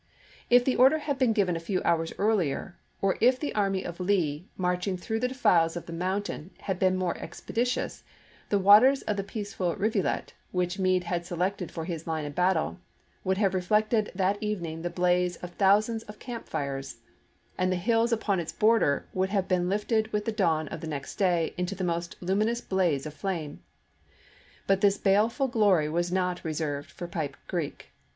If the order had been given a few hours earlier, or if the army of Lee, marching through the defiles of the mountain, had been more expeditious, the waters of the peaceful rivulet, which Meade had selected for his line of battle, would have reflected that evening the blaze of thousands of camp fires, 236 ABRAHAM LINCOLN chap. ix. and the hills upon its border would have been lifted with the dawn of the next day into the most luminous blaze of fame. But this baleful glory was not reserved for Pipe Creek.